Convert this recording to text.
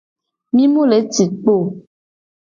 Mi mu le ci kpo o.